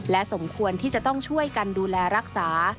และสมควรที่จะต้องช่วยกันดูแลรักษา